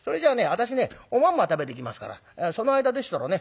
私ねおまんま食べてきますからその間でしたらね